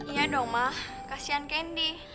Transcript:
iya dong mah kasian candy